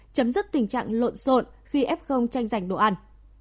chấm dứt tình trạng lộn xộn khi f tranh giành đồ ăn